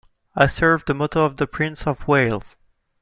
I serve the motto of the Prince of Wales.